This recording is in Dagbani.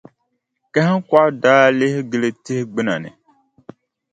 Kahiŋkɔɣu daa lihi gili tihi gbuna ni.